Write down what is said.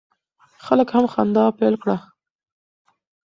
خلک هم خندا پیل کړه.